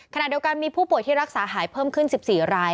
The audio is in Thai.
ขณะเดียวกันมีผู้ป่วยที่รักษาหายเพิ่มขึ้น๑๔ราย